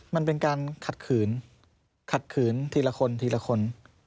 มันเป็นการขัดขืนขัดขืนทีละคนทีละคน